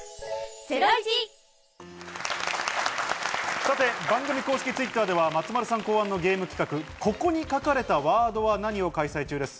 さて、番組公式Ｔｗｉｔｔｅｒでは、松丸さん考案のゲーム企画、「ここに書かれたワードは何？」を開催中です。